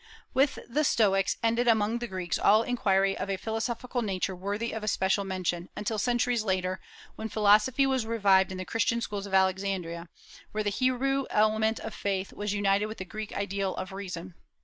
With the Stoics ended among the Greeks all inquiry of a philosophical nature worthy of especial mention, until centuries later, when philosophy was revived in the Christian schools of Alexandria, where the Hebrew element of faith was united with the Greek ideal of reason.